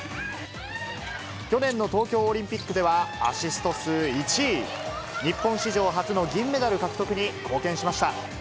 去年の東京オリンピックでは、アシスト数１位。日本史上初の銀メダル獲得に貢献しました。